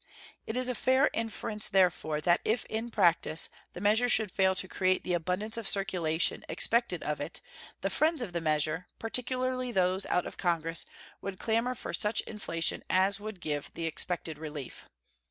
It is a fair inference, therefore, that if in practice the measure should fail to create the abundance of circulation expected of it the friends of the measure, particularly those out of Congress, would clamor for such inflation as would give the expected relief.